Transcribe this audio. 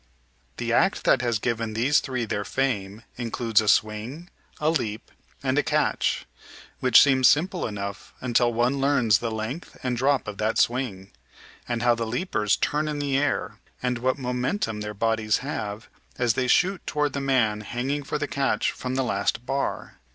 "] The act that has given these three their fame includes a swing, a leap, and a catch, which seems simple enough until one learns the length and drop of that swing, and how the leapers turn in the air, and what momentum their bodies have as they shoot toward the man hanging for the catch from the last bar.